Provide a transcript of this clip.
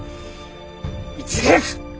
一撃！